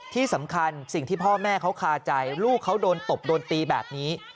ที่สำคัญสิ่งที่พ่อแม่เขาคาใจลูกเขาโดนตบโดนตีแบบนี้